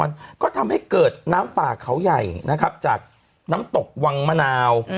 มันก็ทำให้เกิดน้ำป่าเขาใหญ่นะครับจากน้ำตกวังมะนาว